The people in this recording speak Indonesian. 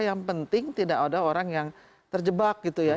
yang penting tidak ada orang yang terjebak gitu ya